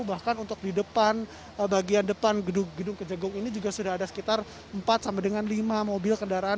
bahkan untuk di depan bagian depan gedung gedung kejagung ini juga sudah ada sekitar empat sampai dengan lima mobil kendaraan